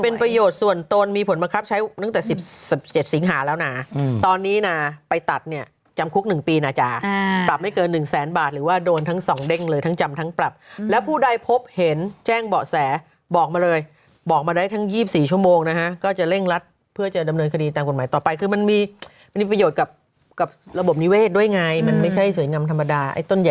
นี่น่าไปตัดเนี่ยจำคุกหนึ่งปีน่าจ๋าปรับไม่เกินหนึ่งแสนบาทหรือว่าโดนทั้งสองเด้งเลยทั้งจำทั้งปรับแล้วผู้ได้พบเห็นแจ้งเบาะแสบอกมาเลยบอกมาได้ทั้ง๒๔ชั่วโมงนะฮะก็จะเร่งรัดเพื่อจะดำเนินคดีตามกฎหมายต่อไปคือมันมีประโยชน์กับกับระบบนิเวศด้วยไงมันไม่ใช่สวยงำธรรมดาไอ้ต้นให